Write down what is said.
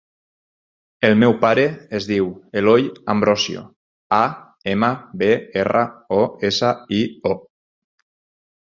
El meu pare es diu Eloi Ambrosio: a, ema, be, erra, o, essa, i, o.